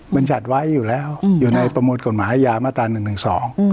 บรรจัดไว้อยู่แล้วอืมอยู่ในประมูลกฎหมายยามัตรา๑๑๒อืม